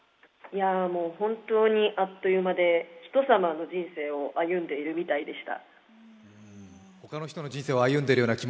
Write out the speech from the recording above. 本当にあっという間で、人様の人生を歩んでいるみたいでした。